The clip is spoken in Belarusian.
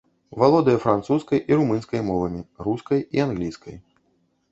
Валодае французскай і румынскай мовамі, рускай і англійскай.